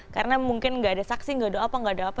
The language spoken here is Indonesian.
karena mungkin nggak ada saksi nggak ada apa apa nggak ada apa